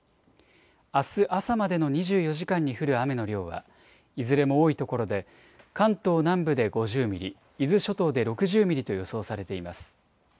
あす朝までの２４時間に降る雨の量は、いずれも多い所で、関東南部で５０ミリ、伊豆諸島で６０ミリと予想されています。